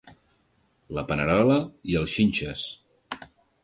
La panerola i els xinxes.